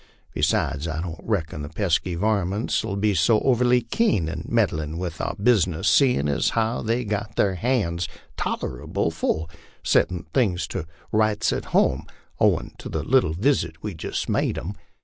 Besides, I don't reckon the pesky varmints '11 be so overly keen in meddlin' with our business, seein' as how they've got their han's tolerable full settin' things to rights at home, owin' to the little visit we've jist made 'em.